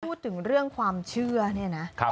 พูดถึงเรื่องความเชื่อเนี่ยนะ